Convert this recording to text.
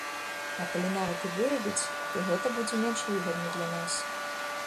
А калі нават і вырабіць, то гэта будзе менш выгадна для нас.